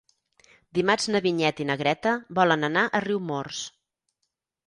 Dimarts na Vinyet i na Greta volen anar a Riumors.